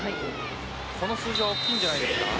この数字は大きいんじゃないですか？